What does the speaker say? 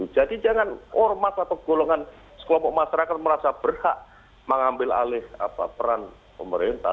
jadi jangan hormat atau golongan sekelompok masyarakat merasa berhak mengambil alih peran pemerintah